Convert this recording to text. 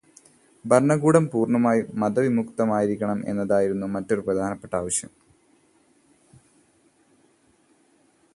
ഭരണകൂടം പൂര്ണമായും മതവിമുക്തമായിരിക്കണം എന്നതായിരുന്നു മറ്റൊരു പ്രധാനപ്പെട്ട ആവശ്യം.